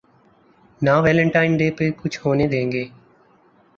نہ Valentine day پہ کچھ ہونے دیں گے۔